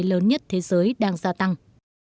lớn nhất thế giới đang gia tăng